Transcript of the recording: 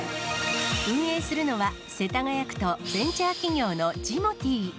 運営するのは、世田谷区とベンチャー企業のジモティー。